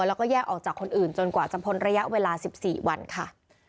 แล้วก็แยกออกจากคนอื่นจนกว่าจะพ้นระยะเวลา๑๔วันค่ะ